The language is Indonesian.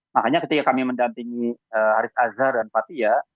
makanya ketika kami mendampingi haris azhar dan fathia